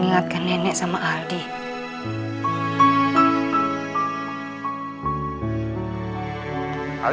seseorang ijskah langsung banget sama kandung victor sendiri